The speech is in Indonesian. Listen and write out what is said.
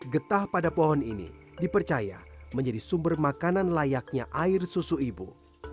getah pada pohon ini dipercaya menjadi sumber makanan layaknya air susu ibu